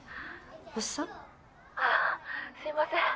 「ああすいません」